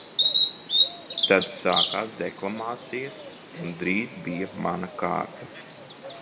Tad sākās deklamācijas un drīz bija mana kārta.